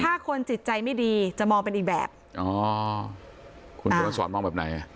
ถ้าคนจิตใจไม่ดีจะมองเป็นอีกแบบอ๋อคุณผู้หญิงสวรรค์มองแบบไหน